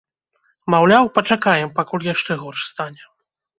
Маўляў, пачакаем, пакуль яшчэ горш стане.